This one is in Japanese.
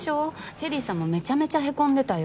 チェリーさんもめちゃめちゃへこんでたよ。